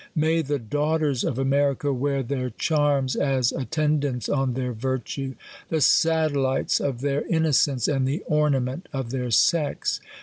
May the daughters of America wear their charms, as attendants on their virtue, the satellites of their in nocence, and the ornament of their sex.